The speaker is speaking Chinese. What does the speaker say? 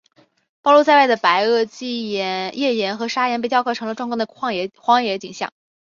暴露在外的白垩纪页岩和砂岩被雕刻成了壮观的荒野景象。